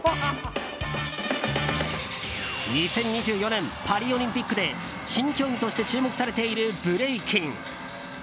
２０２４年、パリオリンピックで新競技として注目されているブレイキン。